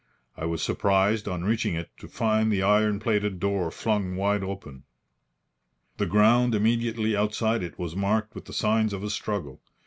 I was surprised, on reaching it, to find the iron plated door flung wide open. The ground immediately outside it was marked with the signs of a struggle.